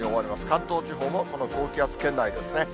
関東地方もこの高気圧圏内ですね。